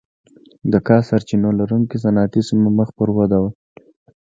د کا سرچینو لرونکې صنعتي سیمه مخ پر وده وه.